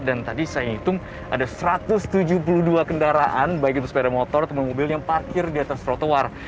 dan tadi saya hitung ada satu ratus tujuh puluh dua kendaraan baik itu sepeda motor atau mobil yang parkir di atas trotoar